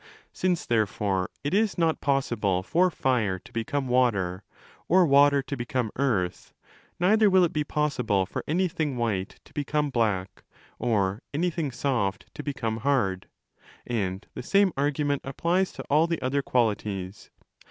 Since, therefore, it is not possible*® for Fire to become Water, or Water to become Earth, neither will it be possible for anything white to become black, or anything soft to become hard; and the same argument applies to all the other qualities.